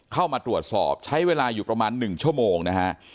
เข้ามาตรวจสอบใช้เวลาอยู่ประมาณ๑ชั่วโมงนะฮะ